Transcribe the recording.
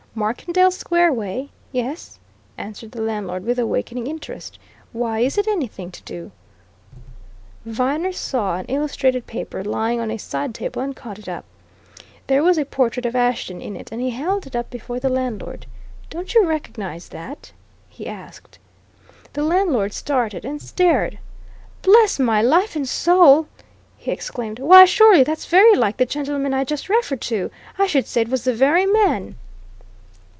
"Markendale Square way? Yes," answered the landlord, with awakening interest. "Why, is it anything to do " Viner saw an illustrated paper lying on a side table and caught it up. There was a portrait of Ashton in it, and he held it up before the landlord. "Don't you recognize that?" he asked. The landlord started and stared. "Bless my life and soul!" he exclaimed. "Why, surely that's very like the gentleman I just referred to I should say it was the very man!"